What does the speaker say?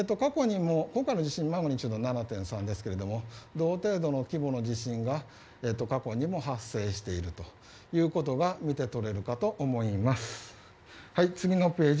今回の地震マグニチュード７．３ですが同程度の規模の地震が過去にも発生しているということが見て取れるかと思います。